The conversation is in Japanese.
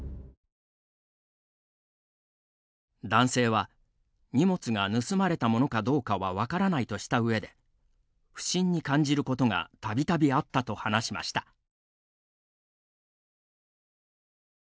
男性は、荷物が盗まれたものかどうかは分からないとした上で不審に感じることがたびたびあったと話しました。